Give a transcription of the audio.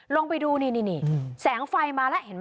ลงไปดูนี่แสงไฟมาแล้วเห็นไหม